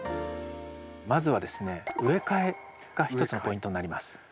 まずはですね植え替えが一つのポイントになります。